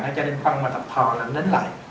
nó cho nên phân mà thập thờ nó nín lại